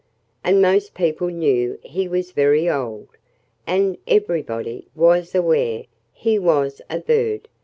And most people knew he was very old. And everybody was aware he was a bird.